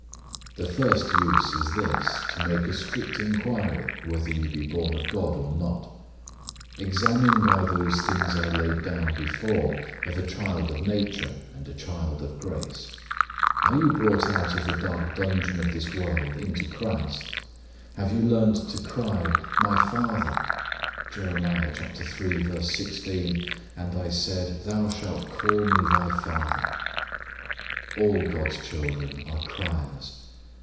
The first use is this, to make a strict inquiry whether you be born of God or not. Examine by those things I laid down before of a child of nature and a child of grace. Are you brought out of the dark dungeon of this world into Christ? have you learned to cry, My Father? Jer. iii. 16, "And I said, Thou shalt call me thy Father." All God's children are criers.